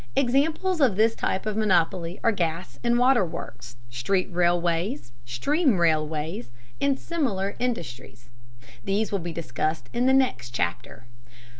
Examples of this type of monopoly are gas and water works, street railways, steam railways, and similar industries. These will be discussed in the next chapter.